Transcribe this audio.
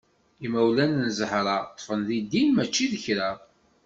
Imawlan n Zahra ṭṭfen di ddin mačči d kra.